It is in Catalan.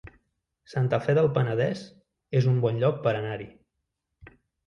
Santa Fe del Penedès es un bon lloc per anar-hi